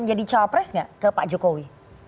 menjadi cawapres nggak ke pak jokowi